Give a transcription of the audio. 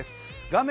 画面